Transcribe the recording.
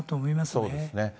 そうですね。